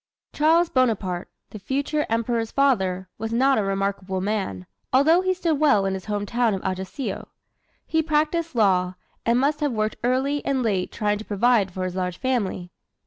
Charles Bonaparte, the future Emperor's father, was not a remarkable man, although he stood well in his home town of Ajaccio. He practised law, and must have worked early and late trying to provide for his large family.